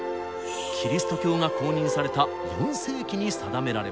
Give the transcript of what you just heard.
キリスト教が公認された４世紀に定められました。